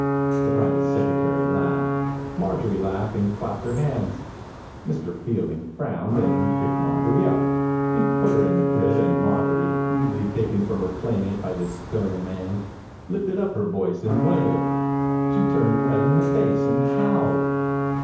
The private secretary laughed. Marjorie laughed and clapped her hands. Mr. Fielding frowned and picked Marjorie up. He put her in the crib, and Mar jorie, rudely taken from her playmate by this stern man, lifted up her voice and wailed. She turned red in the face and howled.